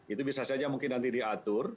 itu bisa saja mungkin nanti diatur